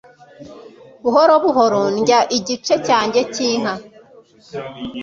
buhoro buhoro ndya igice cyanjye cyinka